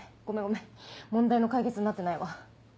ごめんごめん問題の解決になってないわ。